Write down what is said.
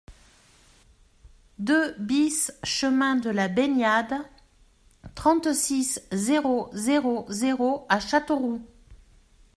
deux BIS chemin de la Baignade, trente-six, zéro zéro zéro à Châteauroux